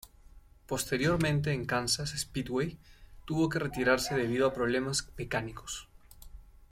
Posteriormente en Kansas Speedway tuvo que retirarse debido a problemas mecánicos.